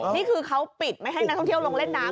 นี่คือเขาปิดไม่ให้นักท่องเที่ยวลงเล่นน้ำ